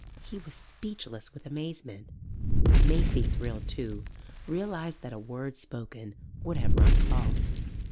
He was speechless with amazement; Maisie, thrilled too, realized that a word spoken would have rung false.